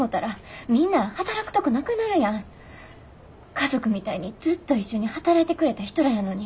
家族みたいにずっと一緒に働いてくれた人らやのに。